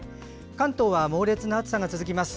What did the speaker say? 関東は猛烈な暑さが続きます。